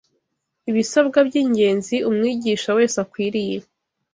Ibisabwa by’ingenzi umwigisha wese akwiriye